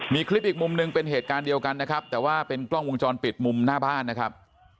มีคลิปอีกมุมหนึ่งเป็นเหตุการณ์เดียวกันนะครับแต่ว่าเป็นกล้องวงจรปิดมุมหน้าบ้านนะครับ